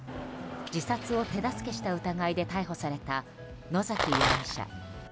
自殺を手助けした疑いで逮捕された野崎容疑者。